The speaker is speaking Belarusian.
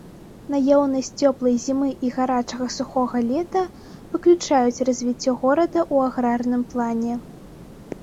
Наяўнасць цёплай зімы і гарачага сухога лета выключаюць развіццё горада ў аграрным плане.